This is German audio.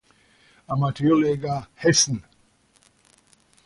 Amateurliga Hessen.